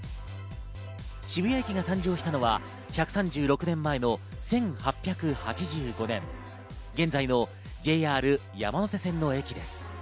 渋谷駅が誕生したのは１３６年前の１８８５年、現在のＪＲ山手線の駅です。